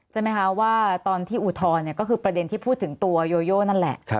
ใช่ไหมคะว่าตอนที่อุทธรณ์ก็คือประเด็นที่พูดถึงตัวโยโยนั่นแหละ